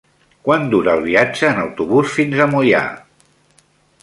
Quant dura el viatge en autobús fins a Moià?